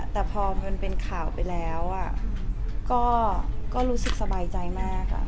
แต่พอมันเป็นข่าวไปแล้วก็รู้สึกสบายใจมาก